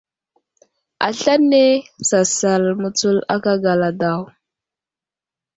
Aslane sasal mətsul aka gala daw.